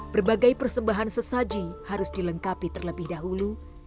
berbagai persembahan sesaji harus dilengkapi terlebih dahulu